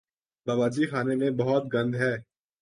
باورچی خانے میں بہت گند ہے